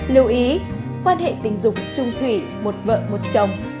lưu ý quan hệ tình dục trung thủy một vợ một chồng